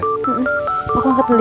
aku angkat dulu ya